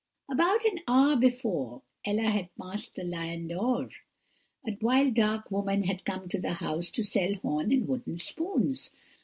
"About an hour before Ella had passed the Lion d'Or, a wild dark woman had come to the house to sell horn and wooden spoons.